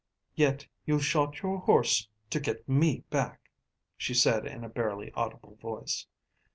"Yet you shot your horse to get me back," she said in a barely audible voice.